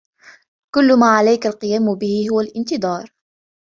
كل ما عليك القيام به هو الإنتظار.